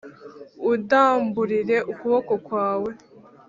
undamburire ukuboko kwawe.